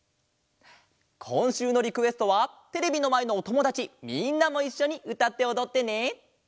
こんしゅうのリクエストはテレビのまえのおともだちみんなもいっしょにうたっておどってね！